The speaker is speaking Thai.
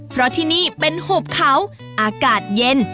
เพราะที่นี่เป็นหุบเขาอากาศเย็น